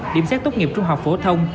điểm xét tốt nghiệp trung học phổ thông